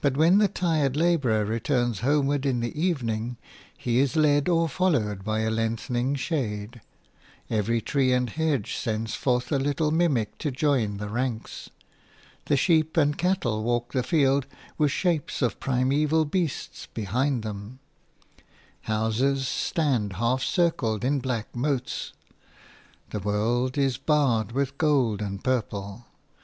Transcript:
But when the tired labourer turns homeward in the evening, he is led or followed by a lengthening shade; every tree and hedge sends forth a little mimic to join the ranks; the sheep and cattle walk the fields with shapes of primeval beasts behind them; houses stand half circled in black moats; the world is barred with gold and purple.